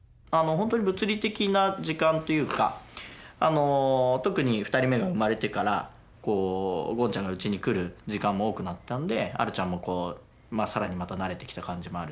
本当に物理的な時間というか特に２人目が生まれてからゴンちゃんがうちに来る時間も多くなったんであるちゃんも更にまた慣れてきた感じもあるし。